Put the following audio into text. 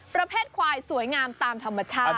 ประเภทควายสวยงามตามธรรมชาติ